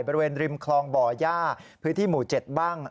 บริเวณริมคลองบ่อย่าพื้นที่หมู่๗บ้าง